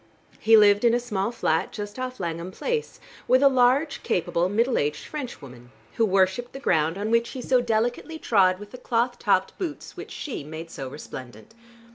He lived in a small flat just off Langham Place, with a large, capable, middle aged Frenchwoman, who worshiped the ground on which he so delicately trod with the cloth topped boots which she made so resplendent.